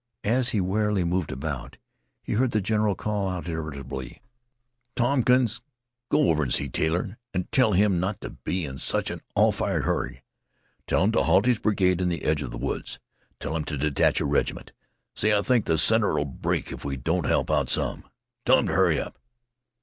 As he warily moved about, he heard the general call out irritably: "Tompkins, go over an' see Taylor, an' tell him not t' be in such an all fired hurry; tell him t' halt his brigade in th' edge of th' woods; tell him t' detach a reg'ment say I think th' center 'll break if we don't help it out some; tell him t' hurry up."